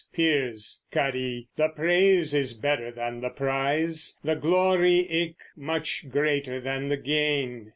(Piers) Cuddie, the praise is better than the price, The glory eke much greater than the gain